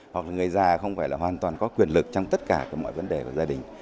hoặc là người già không phải là hoàn toàn có quyền lực trong tất cả mọi vấn đề của gia đình